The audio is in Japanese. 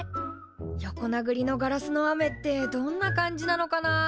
横なぐりのガラスの雨ってどんな感じなのかなあ。